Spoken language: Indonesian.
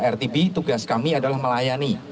rtb tugas kami adalah melahirkan pesawat